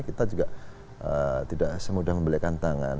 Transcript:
kita juga tidak semudah membelikan tangan